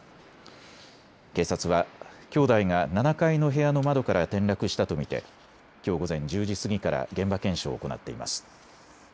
警察は兄弟が７階の部屋の窓から転落したと見てきょう午前１０時過ぎから現場検証を行っています。